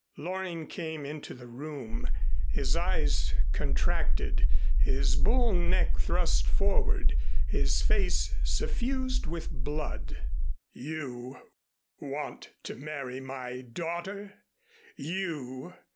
Loring came into the room, his eyes contracted, his bull neck thrust forward, his face suffused with blood. "You want to marry my daughter? _You!